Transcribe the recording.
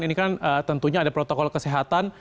ini kan tentunya ada protokol kesehatan